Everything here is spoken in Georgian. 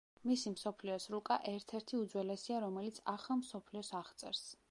მისი მსოფლიოს რუკა ერთ-ერთი უძველესია რომელიც ახალ მსოფლიოს აღწერს.